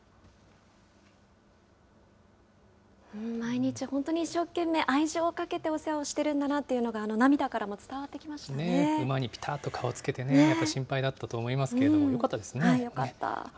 毎日、本当に一生懸命、愛情をかけてお世話をしてるんだなというのが、あの涙からも伝わ馬にぴたっと顔つけてね、やっぱ心配だったと思いますけど、よかったですね。